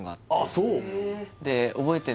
そう？